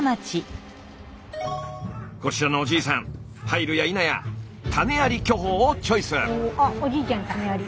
こちらのおじいさん入るやいなや種あり巨峰をチョイス。